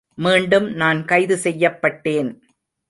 மீண்டும் நான் கைது செய்யப்பட்டேன்.